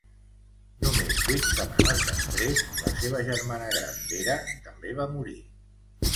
Només vuit setmanes després, la seva germana gran Vera també va morir.